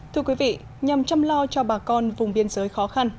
thưa quý vị nhằm chăm lo cho bà con vùng biên giới khó khăn